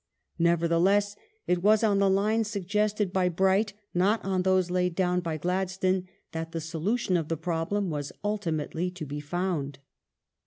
Nevertheless, it was on the lines suggested by Bright, not on those laid down by Gladstone, that the solution of the problem was ultimately to be found.